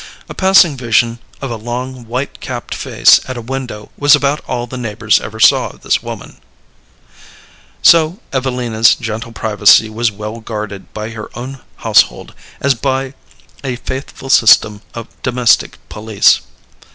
A passing vision of a long white capped face at a window was about all the neighbors ever saw of this woman. So Evelina's gentle privacy was well guarded by her own household, as by a faithful system of domestic police.